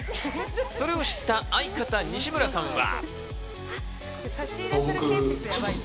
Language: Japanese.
それを知った相方・西村さんは。